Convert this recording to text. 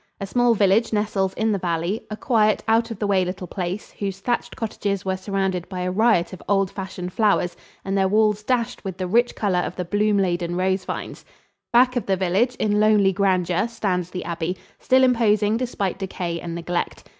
A small village nestles in the valley, a quiet, out of the way little place whose thatched cottages were surrounded by a riot of old fashioned flowers and their walls dashed with the rich color of the bloom laden rose vines. Back of the village, in lonely grandeur, stands the abbey, still imposing despite decay and neglect.